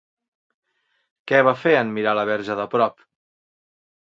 Què va fer en mirar la Verge de prop?